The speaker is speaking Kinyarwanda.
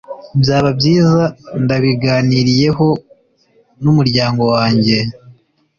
Byaba byiza ndabiganiriyeho numuryango wanjye